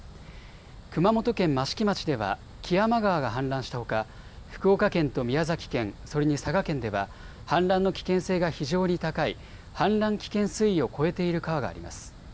熊本県益城町では木山川が氾濫したほか福岡県と宮崎県、それに佐賀県では氾濫の危険性が非常に高い氾濫危険水位を超えている川があります。